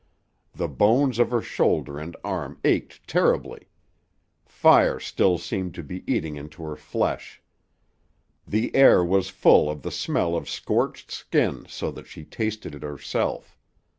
The bones of her shoulder and arm ached terribly; fire still seemed to be eating into her flesh. The air was full of the smell of scorched skin so that she tasted it herself.